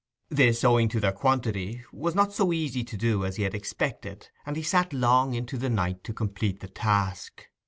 This, owing to their quantity, it was not so easy to do as he had expected, and he sat long into the night to complete the task.